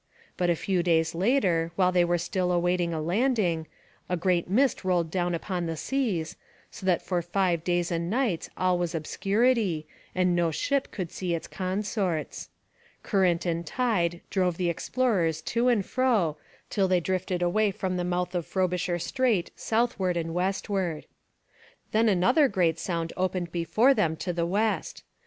But a few days later, while they were still awaiting a landing, a great mist rolled down upon the seas, so that for five days and nights all was obscurity and no ship could see its consorts. Current and tide drove the explorers to and fro till they drifted away from the mouth of Frobisher Strait southward and westward. Then another great sound opened before them to the west.